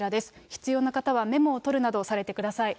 必要な方はメモを取るなどされてください。